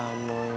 là ba mươi nghìn